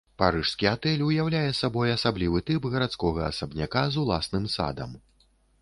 Парыжскі атэль уяўляе сабой асаблівы тып гарадскога асабняка з уласным садам.